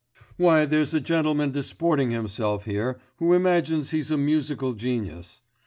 'Why, there's a gentleman disporting himself here, who imagines he's a musical genius.